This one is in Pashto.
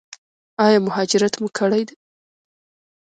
ایا مهاجرت مو کړی؟